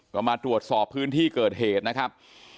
ก็มาตรวจสอบพื้นที่เกิดเหตุนะครับ